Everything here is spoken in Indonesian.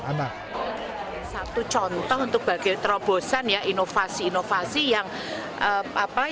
satu contoh untuk bagi terobosan ya inovasi inovasi yang